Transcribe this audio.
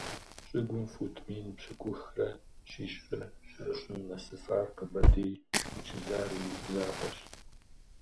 Щыгум фут мин пщыкӀухрэ щищрэ щэщӀым нэсыфар къэбэрдей Чылар и закъуэщ.